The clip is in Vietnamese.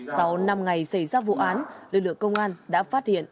sau năm ngày xảy ra vụ án lực lượng công an đã phát hiện